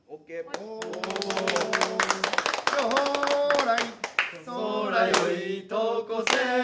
「おほうらいそらよいとこせ」